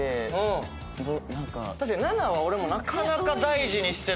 確かに７は俺もなかなか大事にしてる。